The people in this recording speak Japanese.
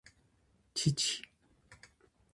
父